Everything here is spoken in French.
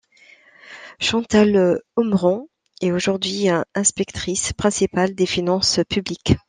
Chantal Aumeran est aujourd'hui inspectrice principale des finances publiques.